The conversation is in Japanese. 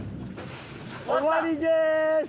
終わりでーす！